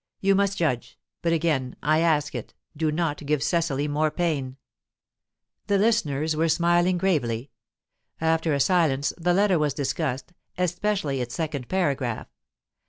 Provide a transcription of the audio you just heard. You must judge; but, again I ask it, do not give Cecily more pain." The listeners were smiling gravely. After a silence, the letter was discussed, especially its second paragraph.